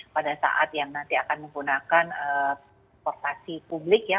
pada saat yang nanti akan menggunakan transportasi publik ya